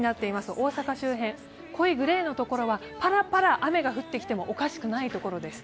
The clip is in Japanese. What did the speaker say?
大阪周辺、濃いグレーの所はパラパラ雨が降ってきてもおかしくない所です。